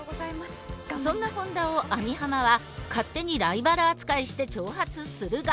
そんな本田を網浜は勝手にライバル扱いして挑発するが。